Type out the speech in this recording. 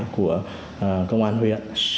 của công an huyện